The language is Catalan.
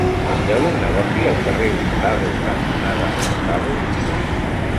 Hi ha algun negoci al carrer Hurtado cantonada Hurtado?